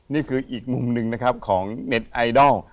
นี่คืออีกมุมหนึ่งนะครับของเน็ตไอดอล